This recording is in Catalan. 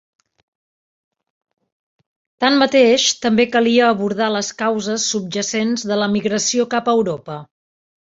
Tanmateix, també calia abordar les causes subjacents de la migració cap a Europa.